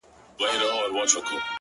سرکښي نه کوم نور خلاص زما له جنجاله یې’